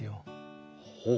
ほう。